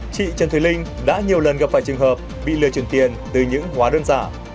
chị trần thùy linh đã nhiều lần gặp phải trường hợp bị lừa chuyển tiền từ những hóa đơn giả